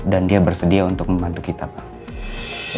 dan dia bersedia untuk membantu kita pak